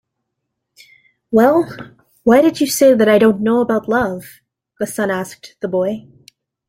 "Well, why did you say that I don't know about love?" the sun asked the boy.